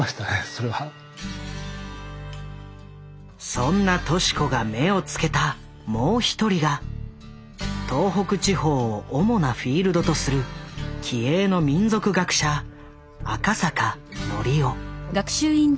そんな敏子が目を付けたもう一人が東北地方を主なフィールドとする気鋭の民俗学者赤坂憲雄。